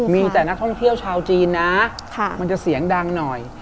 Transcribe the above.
มีแต่นักท่องเที่ยวชาวจีนนะมันจะเสียงดังหน่อย